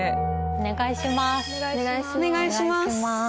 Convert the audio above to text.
お願いします